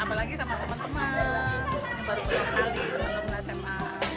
apalagi sama teman teman baru berkali teman teman sma